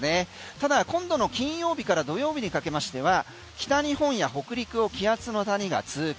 ただ今度の金曜日から土曜日にかけましては北日本や北陸を気圧の谷が通過。